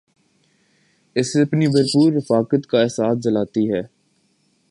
اُسے اپنی بھر پور رفاقت کا احساس دلاتی ہے